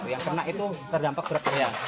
yang kena itu terdampak berapa ya